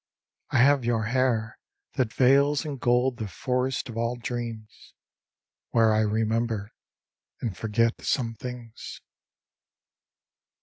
I have your hair That veils in gold the forest of all dreams, Where I remember and forget some things.